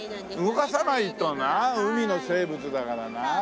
動かさないとな海の生物だからな。